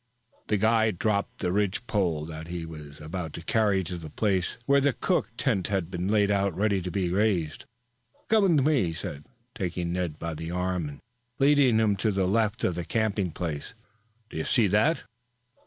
The guide dropped the ridge pole that he was about to carry to the place where the cook tent had been laid out ready to be raised. "Come with me," he said, taking Ned by the arm and leading him to the left of their camping place. "Do you see that?"